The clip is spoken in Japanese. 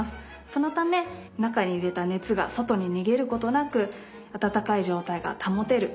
そのため中に入れた熱が外に逃げることなく温かい状態が保てる。